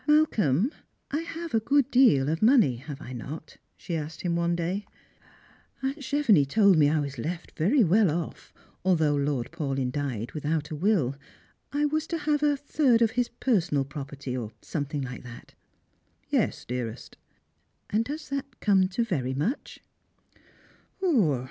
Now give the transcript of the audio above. Malcolm, I have a good deal of money, have I not? " she Slrangers and Pilgrima, '05 asked him one day. " Aunt Chcvonix told rac I was left very •wi'll otf, altliougli Lord Paulyn died without a will. I was to have a third of his personal property, or eomething like that." " Yes, dearest." " And does that come to very much